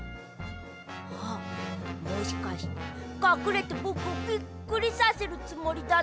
あっもしかしてかくれてぼくをびっくりさせるつもりだな。